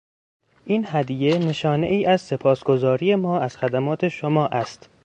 این هدیه نشانهای از سپاسگزاری ما از خدمات شما است.